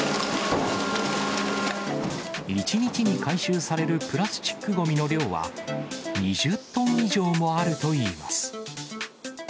１日に回収されるプラスチックごみの量は、２０トン以上もあるといいます。